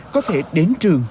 có thể đến trường